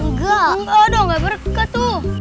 enggak enggak dong enggak berkah tuh